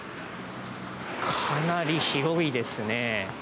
かなり広いですね。